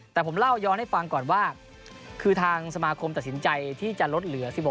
แต่ผมเล่าย้อนให้ฟังก่อนว่าคือทางสมาคมตัดสินใจที่จะลดเหลือ๑๖